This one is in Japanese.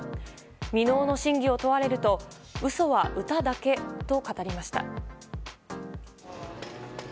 未納の真偽を問われると「うそ」は歌だけと語りました。